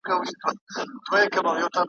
یوه ورځ ورته ناڅا په مرګی ګوري `